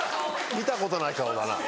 見たことない顔だな